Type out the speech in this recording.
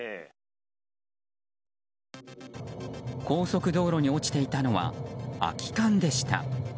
高速道路に落ちていたのは空き缶でした。